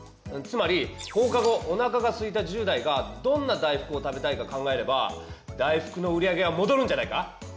つまり放課後おなかがすいた１０代がどんな大福を食べたいか考えれば大福の売り上げはもどるんじゃないか？